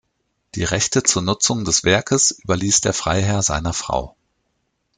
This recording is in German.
Die Rechte zur Nutzung des Werkes überließ der Freiherr seiner Frau.